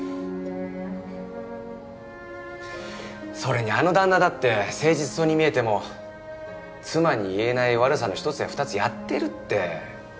それにあの旦那だって誠実そうに見えても妻に言えない悪さのひとつやふたつやってるって。